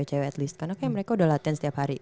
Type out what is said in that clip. kayaknya mereka udah latihan setiap hari